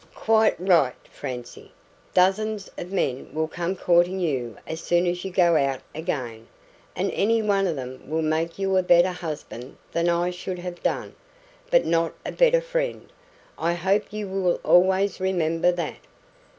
"Quite right, Francie. Dozens of men will come courting you as soon as you go out again, and any one of them will make you a better husband than I should have done; but not a better friend. I hope you will always remember that."